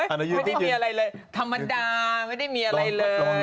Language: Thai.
ไม่ได้มีอะไรเลยธรรมดาไม่ได้มีอะไรเลย